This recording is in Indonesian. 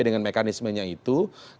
dengan mekanismenya itu